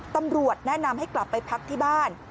ตำรวจแนะนำให้กลับไปพักที่บ้าน